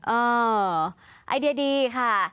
เออไอเดียดีค่ะ